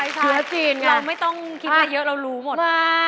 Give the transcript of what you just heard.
เชื้อจีนเราไม่ต้องคิดมาเยอะเรารู้หมด